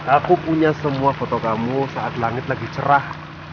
aku punya semua foto kamu saat langit lagi cerah